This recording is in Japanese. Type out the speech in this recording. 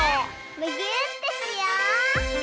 むぎゅーってしよう！